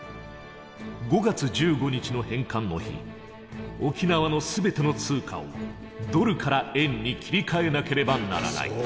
５月１５日の返還の日沖縄の全ての通貨をドルから円に切り替えなければならない。